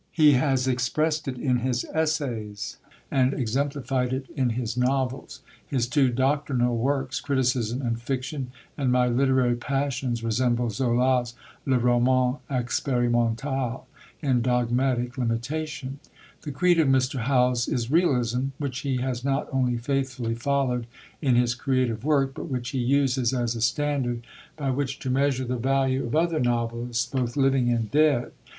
He has expressed it in his essays, and exemplified it in his novels. His two doctrinal works, Criticism and Fiction, and My Literary Passions, resemble Zola's Le Roman Expérimental in dogmatic limitation. The creed of Mr. Howells is realism, which he has not only faithfully followed in his creative work, but which he uses as a standard by which to measure the value of other novelists, both living and dead.